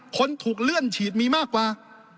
คนถูกเลื่อนฉีดมีมากกว่า